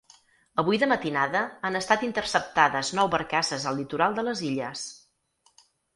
Avui de matinada han estat interceptades nou barcasses al litoral de les Illes.